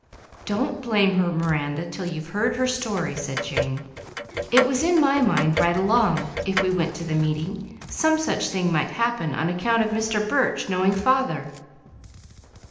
"Don't blame her, Miranda, till you've heard her story," said Jane. "It was in my mind right along, if we went to the meeting, some such thing might happen, on account of Mr. Burch knowing father."